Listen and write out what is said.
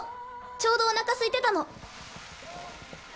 ちょうどおなかすいてたの。